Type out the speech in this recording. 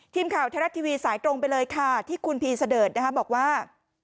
ทีมข่าวแทรศทีวีสายตรงไปเลยค่ะที่คุณพีช์เสดิร์ฟบอกว่า